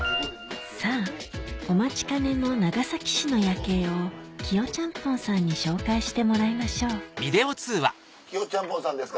さぁお待ちかねの長崎市の夜景をキヨちゃんぽんさんに紹介してもらいましょうキヨちゃんぽんさんですか？